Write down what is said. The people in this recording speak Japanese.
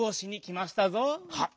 はっ。